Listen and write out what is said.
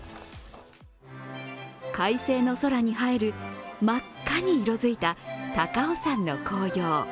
快晴の空に映える真っ赤に色づいた高尾山の紅葉。